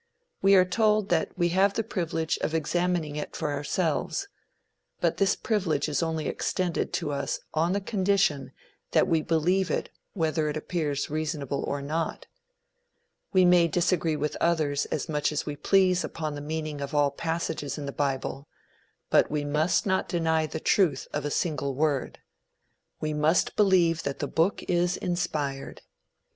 We are told that we have the privilege of examining it for ourselves; but this privilege is only extended to us on the condition that we believe it whether it appears reasonable or not. We may disagree with others as much as we please upon the meaning of all passages in the bible, but we must not deny the truth of a single word. We must believe that the book is inspired.